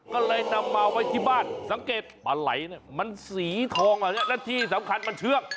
ก็เลยนำมาไว้ที่บ้านสังเกตปลาไหล่เนี่ยมันสีทองแบบนี้และที่สำคัญมันเชื่อง